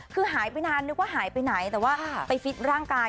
คือหายไปนานนึกว่าหายไปไหนแต่ว่าไปฟิตร่างกาย